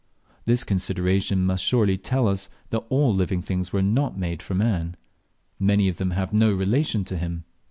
This consideration must surely tell us that all living things were not made for man. Many of them have no relation to him.